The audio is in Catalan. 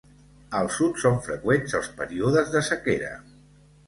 Al sud són freqüents els períodes de sequera.